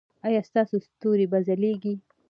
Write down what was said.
ایا ستاسو ستوري به ځلیږي؟